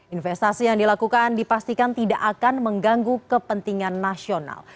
investasi yang dilakukan dipastikan tidak akan mengganggu kepentingan nasional